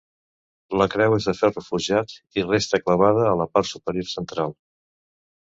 La creu és de ferro forjat i resta clavada a la part superior central.